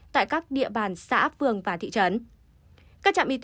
tại các địa bàn xã phường và thị trấn